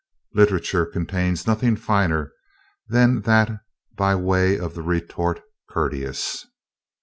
Literature contains nothing finer than that by way of the retort courteous.